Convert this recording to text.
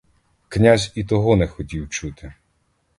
Князь і того не хотів чути.